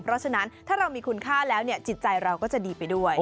เพราะฉะนั้นถ้าเรามีคุณค่าแล้วจิตใจเราก็จะดีไปด้วย